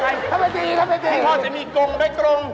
พี่พ่อจะมีกรงแผงกรง